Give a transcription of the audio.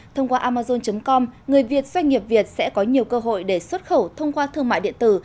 thông qua amazon com người việt doanh nghiệp việt sẽ có nhiều cơ hội để xuất khẩu thông qua thương mại điện tử